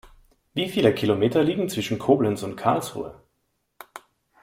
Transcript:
Wie viele Kilometer liegen zwischen Koblenz und Karlsruhe?